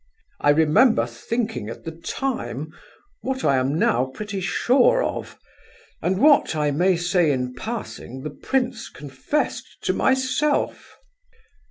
I remember thinking at the time what I am now pretty sure of; and what, I may say in passing, the prince confessed to myself."